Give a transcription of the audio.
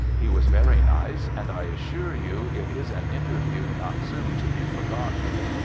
He was very nice, and I assure you it is an interview not soon to be forgotten.